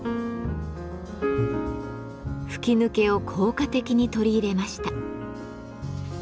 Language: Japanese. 吹き抜けを効果的に取り入れました。